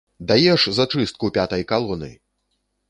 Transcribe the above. Даеш зачыстку пятай калоны!